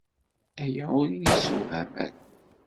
Aya ur iyi-yessewhem ara.